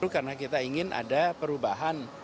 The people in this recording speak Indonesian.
karena kita ingin ada perubahan